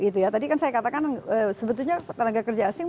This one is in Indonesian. tadi kan saya katakan sebetulnya tenaga kerja asing